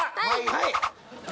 はい！